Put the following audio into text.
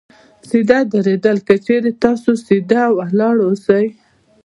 سیده درېدل : که چېرې تاسې سیده ولاړ اوسئ